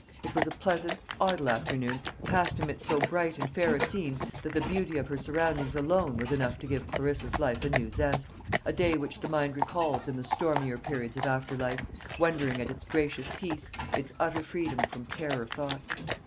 It was a pleasant, idle afternoon, passed amidst so bright and fair a scene, that the beauty of her surroundings alone was enough to give Clarissa's life a new zest a day which the mind recalls in the stormier periods of after life, wondering at its gracious peace, its utter freedom from care or thought.